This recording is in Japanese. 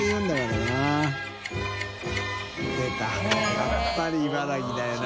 やっぱり茨城だよな。